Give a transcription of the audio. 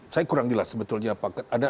saya kurang jelas sebetulnya